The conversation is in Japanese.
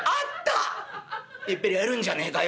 「やっぱりあるんじゃねえかよ。